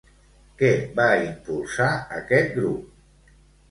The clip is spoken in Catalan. Què va impulsar aquest grup?